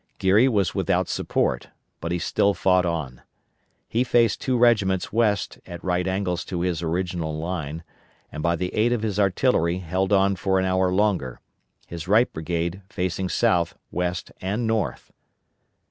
Geary was without support, but he still fought on. He faced two regiments west at right angles to his original line, and by the aid of his artillery held on for an hour longer; his right brigade facing south, west, and north.